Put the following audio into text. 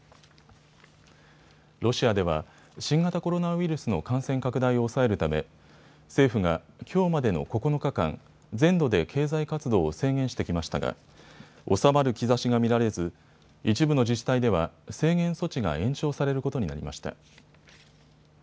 ロシアでは新型コロナウイルスの感染拡大を抑えるため政府が、きょうまでの９日間、全土で経済活動を制限してきましたが収まる兆しが見られず一部の自治体では制限措置が延長されることになりました。